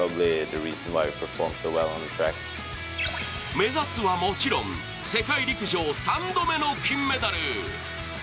目指すはもちろん、世界陸上３度目の金メダル。